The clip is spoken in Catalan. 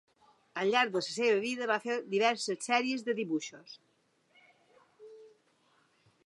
Al llarg de la seva vida va fer diverses sèries de dibuixos.